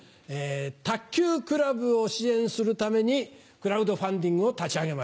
卓球クラブを支援するためにクラウドファンディングを立ち上げました。